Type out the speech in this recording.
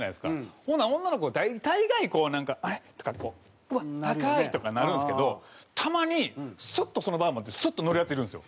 ほんなら女の子は大概こうなんか「あれ？」とか「うわ高い！」とかなるんですけどたまにスッとそのバー持ってスッと乗るヤツいるんですよ。